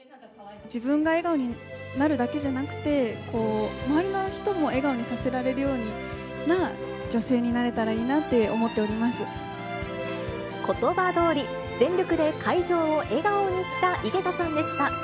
自分が笑顔になるだけじゃなくて、周りの人も笑顔にさせられるような女性になれたらいいなって思っことばどおり、全力で会場を笑顔にした井桁さんでした。